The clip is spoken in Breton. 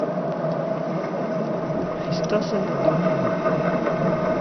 eizh tasenn ha daou-ugent.